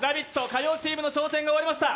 火曜チームの挑戦が終わりました。